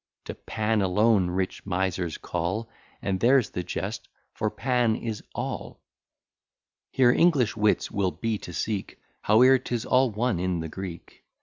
To Pan alone rich misers call; And there's the jest, for Pan is ALL. Here English wits will be to seek, Howe'er, 'tis all one in the Greek.